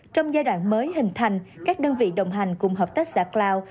trong giai đoạn mới hình thành các đơn vị đồng hành cùng hợp tác xã cloud